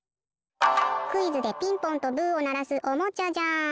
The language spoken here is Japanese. クイズでピンポンとブーをならすおもちゃじゃん！